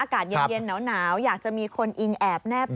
อากาศเย็นหนาวอยากจะมีคนอิงแอบแนบอ